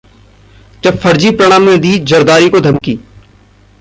जब फर्जी प्रणब ने दी जरदारी को धमकी